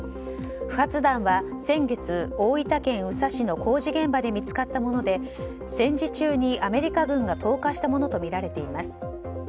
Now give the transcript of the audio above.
不発弾は先月大分県宇佐市の工事現場で見つかったもので戦時中にアメリカ軍が投下したものとみられています。